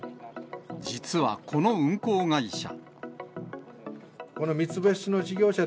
実はこの運行会社。